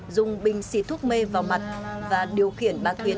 dùng bình xì thuốc mê vào mặt và điều khiển bác huyện